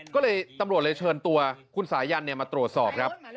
ก็เลยตำรวจเลยเชิญตัวคุณสายันมาตรวจสอบครับ